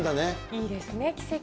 いいですね、奇跡。